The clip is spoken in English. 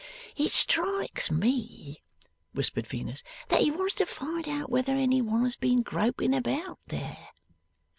'It strikes me,' whispered Venus, 'that he wants to find out whether any one has been groping about there.